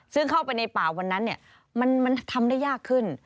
ซึ่งเข้าไปในป่าวันนั้นมันทำได้ยากขึ้น